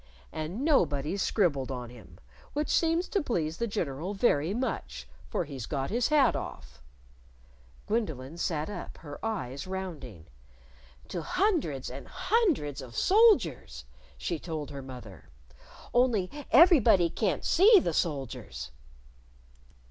And nobody's scribbled on him, which seems to please the General very much, for he's got his hat off " Gwendolyn sat up, her eyes rounding. "To hundreds and hundreds of soldiers!" she told her mother. "Only everybody can't see the soldiers."